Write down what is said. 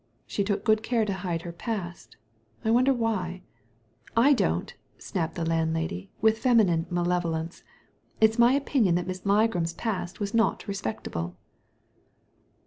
"She took good care to hide her past I wonder why ?" "I don't," snapped the landlady with feminine malevolence; "it's my opinion that Miss Ligram's past was not respectable."